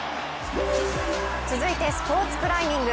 続いてスポーツクライミング。